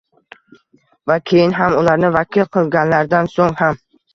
Va keyin ham – ularni vakil qilganlaridan so‘ng ham...